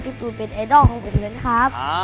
ตูนเป็นไอดอลของผมนั้นครับ